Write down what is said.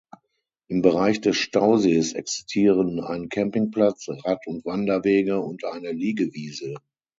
Im Bereich des Stausees existieren ein Campingplatz, Rad- und Wanderwege und eine Liegewiese.